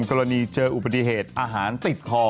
กรณีเจออุบัติเหตุอาหารติดคอ